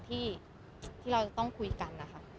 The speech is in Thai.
ที่เราต้องคุยกัน